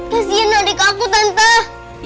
kasian adik aku tante